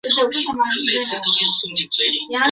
怎么只有你一个人